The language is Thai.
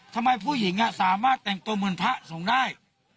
ทำไมผู้หญิงสามารถแต่งตัวเหมือนพระสงฆ์ได้